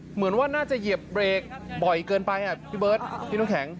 เหมือนว่าน่าจะเหยียบเบรกบ่อยเกินไปอ่ะพี่เบิร์ตพี่น้ำแข็ง